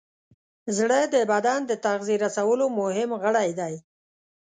زړه د بدن د تغذیې رسولو مهم غړی دی.